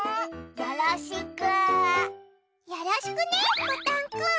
よろしくねボタンくん。